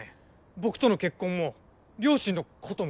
僕との結婚も両親のことも。